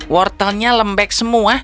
wortelnya lembek semua